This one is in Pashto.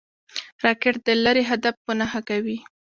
راکټ د لرې هدف په نښه کوي